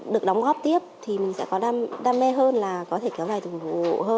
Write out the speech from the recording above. được đóng góp tiếp thì mình sẽ có đam mê hơn là có thể kéo dài từng vụ